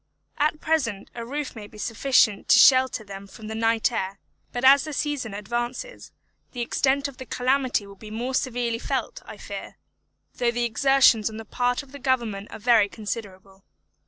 At present a roof may be sufficient to shelter them from the night air; but as the season advances, the extent of the calamity will be more severely felt, I fear, though the exertions on the part of Government are very considerable.